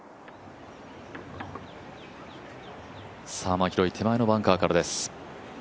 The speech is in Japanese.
マキロイ、手前のバンカーからです。